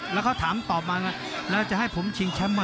แล้วเค้าถามตอบมาก็มาแล้วจะให้ผมชิงแชมป์ก็แหละ